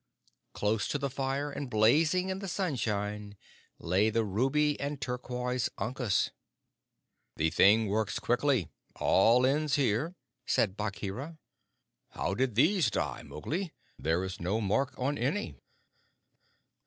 Close to the fire, and blazing in the sunshine, lay the ruby and turquoise ankus. "The thing works quickly; all ends here," said Bagheera. "How did these die, Mowgli? There is no mark on any."